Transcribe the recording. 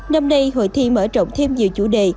năm nay hội thi mở rộng thêm nhiều chủ đề